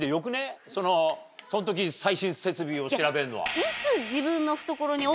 そん時最新設備を調べんのは。